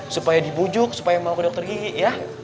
supaya dibujuk supaya mau ke dokter gigi ya